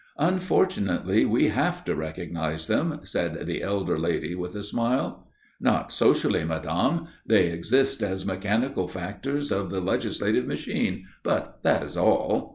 "Unfortunately we have to recognize them," said the elder lady with a smile. "Not socially, madame. They exist as mechanical factors of the legislative machine; but that is all."